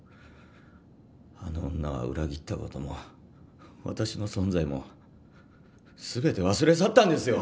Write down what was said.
あの女は裏切ったことも私の存在も全て忘れ去ったんですよ！